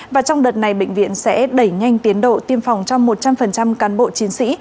và trong đợt này bệnh viện sẽ đẩy nhanh tiến độ tiêm phòng cho một trăm linh cán bộ chiến sĩ